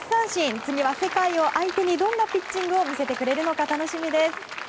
次は世界を相手にどんなピッチングを見せてくれるのか、楽しみです。